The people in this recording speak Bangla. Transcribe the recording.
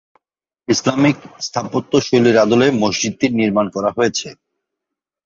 ইসলামিক স্থাপত্য শৈলীর আদলে মসজিদটি নির্মাণ করা হয়েছে।